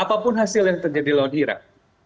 apapun hasil yang terjadi lawan irak